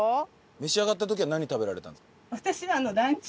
召し上がった時は何食べられたんですか？